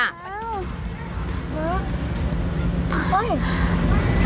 เฮ้ย